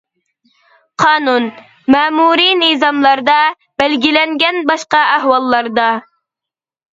قانۇن، مەمۇرىي نىزاملاردا بەلگىلەنگەن باشقا ئەھۋاللاردا.